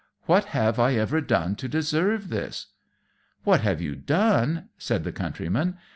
What have I done to deserve this?" "What have you done?" said the Countryman.